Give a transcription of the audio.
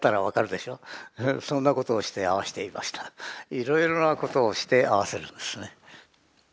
いろいろなことをして合わせるんですね。